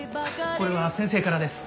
これは先生からです。